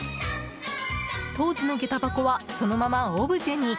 当時の下駄箱はそのままオブジェに。